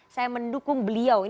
saya mendukung beliau